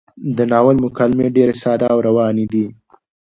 د ناول مکالمې ډېرې ساده او روانې دي.